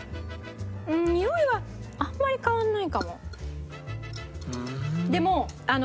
うーんにおいはあんまり変わらないかも。